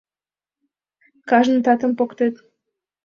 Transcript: Кажне татым поктет.